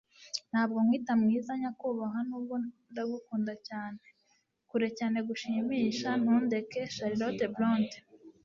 ntabwo nkwita mwiza, nyakubahwa, nubwo ndagukunda cyane: kure cyane kugushimisha. ntundeke. - charlotte bronte